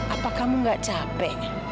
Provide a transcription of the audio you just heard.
apa kamu nggak capek